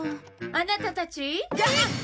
あなたたち？